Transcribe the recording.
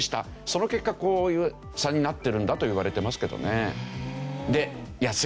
その結果こういう差になってるんだといわれてますけどね。